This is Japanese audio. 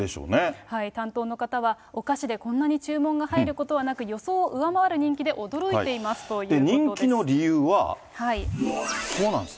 担当の方は、お菓子でこんなに注文が入ることはなく、予想を上回る人気で驚いていますという人気の理由は、こうなんです